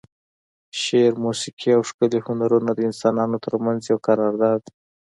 شعر، موسیقي او ښکلي هنرونه د انسانانو ترمنځ یو قرارداد دی.